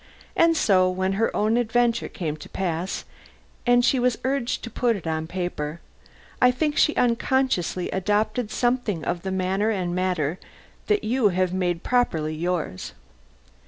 And so when her own adventure came to pass, and she was urged to put it on paper, I think she unconsciously adopted something of the manner and matter that you have made properly yours.